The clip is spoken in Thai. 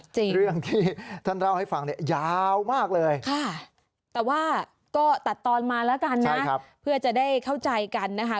จริงค่ะแต่ว่าก็ตัดตอนมาแล้วกันนะเพื่อจะได้เข้าใจกันนะคะ